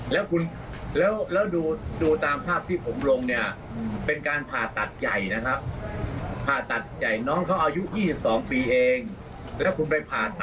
แล้วคุณไปผ่าตัดเขาอย่างนั้นเสียโฉมนะ